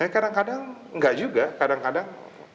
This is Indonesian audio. kadang kadang enggak juga kadang kadang